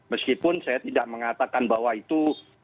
meskipun saya tidak mengatakan bahwa itu